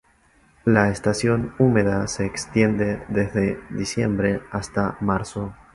La estación húmeda se extiende desde diciembre hasta marzo.